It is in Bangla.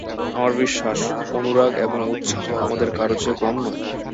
আমার বিশ্বাস, তাঁর অনুরাগ এবং উৎসাহ আমাদের কারো চেয়ে কম নয়।